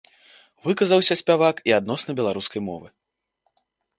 Выказаўся спявак і адносна беларускай мовы.